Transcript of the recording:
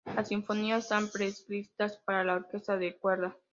Las Sinfonías están escritas para orquesta de cuerda.